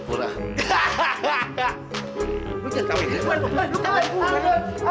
lu kamu dikeluarkan